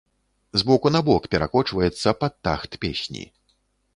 З боку на бок перакочваецца пад тахт песні.